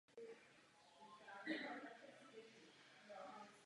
Působil ve vysokých stranických funkcích.